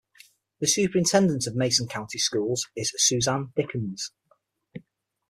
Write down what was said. The superintendent of Mason County schools is Suzanne Dickens.